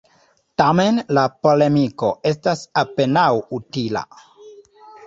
Tamen, la polemiko estas apenaŭ utila.